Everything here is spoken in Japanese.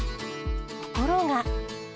ところが。